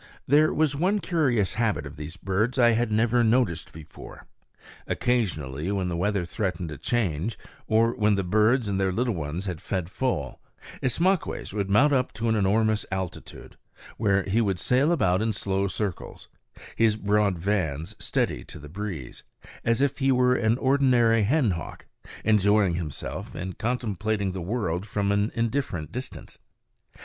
There was one curious habit of these birds that I had never noticed before. Occasionally, when the weather threatened a change, or when the birds and their little ones had fed full, Ismaques would mount up to an enormous altitude, where he would sail about in slow circles, his broad vans steady to the breeze, as if he were an ordinary hen hawk, enjoying himself and contemplating the world from an indifferent distance.